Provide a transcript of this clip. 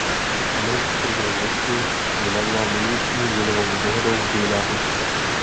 Americký prezident Nixon ji nazval "Největší měnovou dohodou v dějinách lidstva".